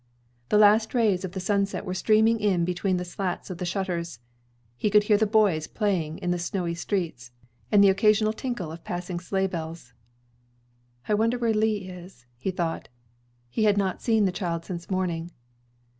The last rays of the sunset were streaming in between the slats of the shutters. He could hear the boys playing in the snowy streets, and the occasional tinkle of passing sleighbells. "I wonder where Lee is," he thought. He had not seen the child since morning.